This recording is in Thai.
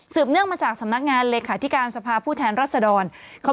สืบเนื่องมาจากสำนักงานเลขาที่การสภาพผู้แทนรัฐสดรเขา